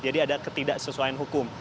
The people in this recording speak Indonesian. jadi ada ketidaksesuaian hukum